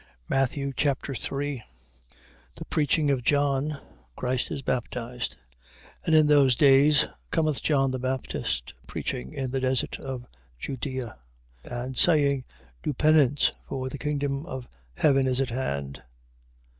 Matthew Chapter 3 The preaching of John: Christ is baptized. 3:1. And in those days cometh John the Baptist preaching in the desert of Judea. 3:2. And saying: Do penance: for the kingdom of heaven is at hand.